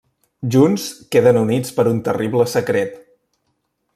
Junts, queden units per un terrible secret.